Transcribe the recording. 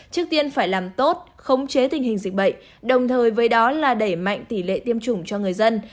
trước tiên phải làm tốt khống chế tình hình dịch bệnh đồng thời với đó là đẩy mạnh tỷ lệ tiêm chủng cho người dân